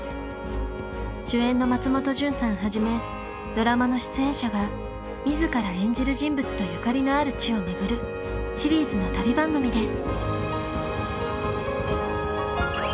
主演の松本潤さんはじめドラマの出演者が自ら演じる人物とゆかりのある地を巡るシリーズの旅番組です。